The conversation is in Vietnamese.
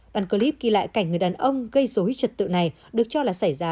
đoạn clip ghi lại cảnh người đàn ông gây dối trật tự này được cho là xảy ra